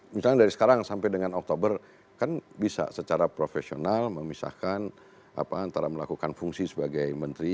misalnya dari sekarang sampai dengan oktober kan bisa secara profesional memisahkan antara melakukan fungsi sebagai menteri